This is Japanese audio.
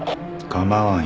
構わん。